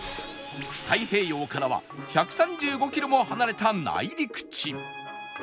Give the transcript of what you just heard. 太平洋からは１３５キロも離れた内陸地